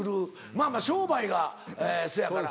まぁまぁ商売がそやから。